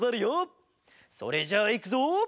それじゃあいくぞ！